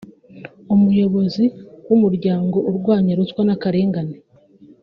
umuyobozi wumuryango urwanya ruswa nakarengane